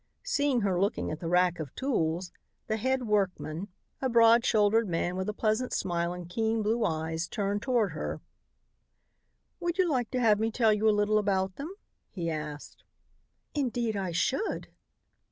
Seeing her looking at the rack of tools, the head workman, a broad shouldered man with a pleasant smile and keen blue eyes, turned toward her. "Would you like to have me tell you a little about them?" he asked. "Indeed I should."